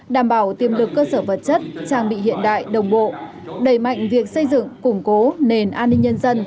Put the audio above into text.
đảm bảo tiềm lực cơ sở vật chất trang bị hiện đại đồng bộ đẩy mạnh việc xây dựng củng cố nền an ninh nhân dân